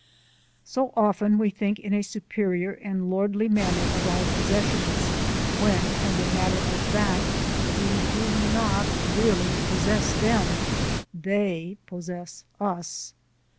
So often we think in a superior and lordly manner of our possessions, when, as a matter of fact, we do not really possess them, they possess us.